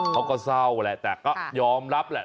เขาก็เศร้าแหละแต่ก็ยอมรับแหละ